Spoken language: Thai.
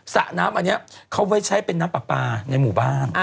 สระน้ำตรงนี้เข้าไปใช้เป็นน้ำปลาในหมู่บ้าน